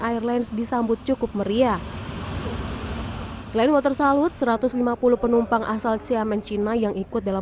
airlines disambut cukup meriah selain water salut satu ratus lima puluh penumpang asal xiamen cina yang ikut dalam